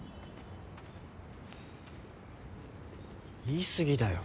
言い過ぎだよ。